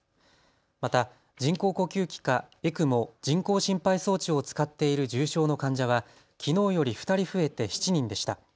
また人工呼吸器かＥＣＭＯ・人工心肺装置を使っている重症の患者はきのうより２人増えて７人でした。